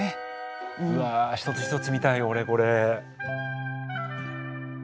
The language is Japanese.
うわ一つ一つ見たい俺これ。